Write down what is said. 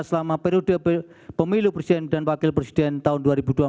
selama periode pemilu presiden dan wakil presiden tahun dua ribu dua puluh empat